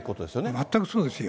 全くそうですよ。